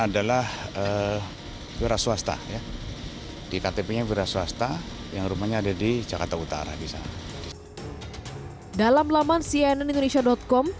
dalam laman cnnindonesia com